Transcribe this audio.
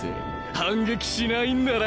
反撃しないんなら。